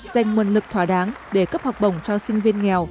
dành nguồn lực thỏa đáng để cấp học bổng cho sinh viên nghèo